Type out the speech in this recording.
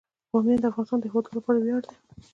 بامیان د افغانستان د هیوادوالو لپاره ویاړ دی.